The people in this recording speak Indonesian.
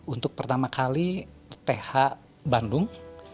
untuk pertama kali th bandung